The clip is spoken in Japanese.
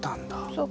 そう。